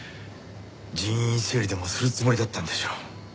人員整理でもするつもりだったんでしょう。